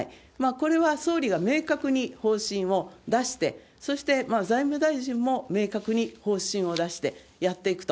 これは総理が明確に方針を出して、そして財務大臣も明確に方針を出してやっていくと。